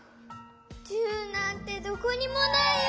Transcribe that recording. １０なんてどこにもないよ。